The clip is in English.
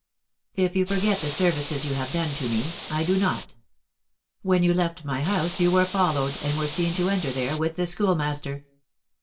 "If you forget the services you have done to me, I do not. When you left my house you were followed, and were seen to enter there with the Schoolmaster."